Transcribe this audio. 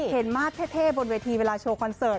มาสเท่บนเวทีเวลาโชว์คอนเสิร์ต